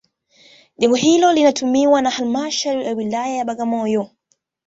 Jengo hilo linatumiwa na halmashauri ya wilaya Bagamoyo